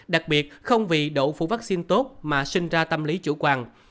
đặc biệt không vì độ phụ vaccine tốt mà sinh ra tâm lý chủ quan